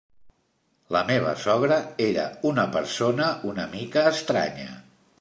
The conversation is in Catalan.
La meva sogra era una persona una mica estranya.